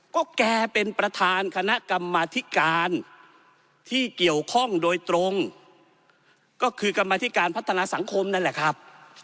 ก็แกเป็นประธานคณะกรรมธิการที่เกี่ยวข้องโดยตรงก็คือกรรมธิการพัฒนาสังคมนั่นแหละครับ